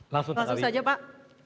langsung saja pak